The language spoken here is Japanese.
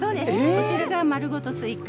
こちらがまるごとスイカ。